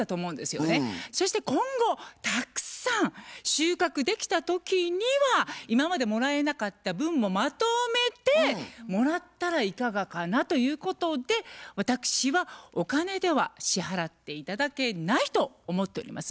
そして今後たくさん収穫できた時には今までもらえなかった分もまとめてもらったらいかがかなということで私はお金では支払って頂けないと思っております。